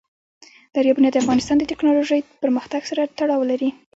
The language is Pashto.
دریابونه د افغانستان د تکنالوژۍ پرمختګ سره تړاو لري.